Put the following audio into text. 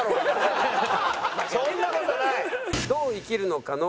そんな事ない！